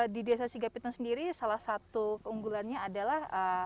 di desa sigapitun sendiri salah satu keunggulannya adalah